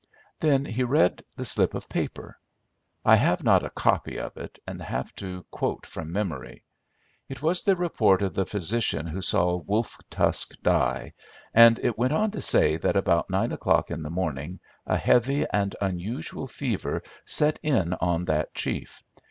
Then he read the slip of paper. I have not a copy of it, and have to quote from memory. It was the report of the physician who saw Wolf Tusk die, and it went on to say that about nine o'clock in the morning a heavy and unusual fever set in on that chief.